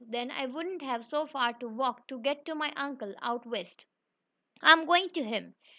Then I wouldn't have so far to walk to get to my uncle out west. I'm going to him.